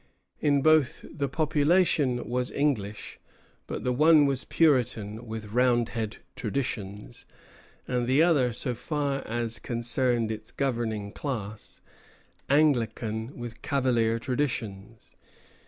In both the population was English; but the one was Puritan with Roundhead traditions, and the other, so far as concerned its governing class, Anglican with Cavalier traditions.